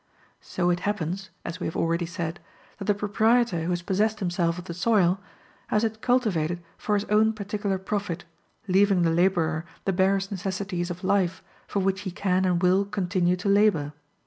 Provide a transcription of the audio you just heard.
So it happens (as we have already said) that the proprietor who has possessed himself of the soil, has it cultivated for his own particular profit, leaving the laborer the barest necessities of life for which he can and will continue to labor.